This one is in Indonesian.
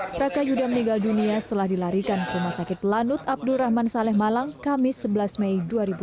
prakayuda meninggal dunia setelah dilarikan ke rumah sakit lanut abdul rahman saleh malang kamis sebelas mei dua ribu dua puluh